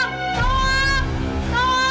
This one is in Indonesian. tauak tauak tauak